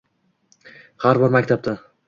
– har bir maktabda